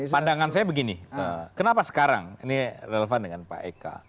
pandangan saya begini kenapa sekarang ini relevan dengan pak eka